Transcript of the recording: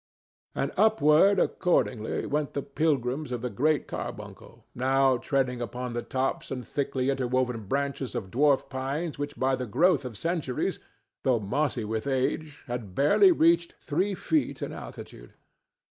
And upward, accordingly, went the pilgrims of the Great Carbuncle, now treading upon the tops and thickly interwoven branches of dwarf pines which by the growth of centuries, though mossy with age, had barely reached three feet in altitude.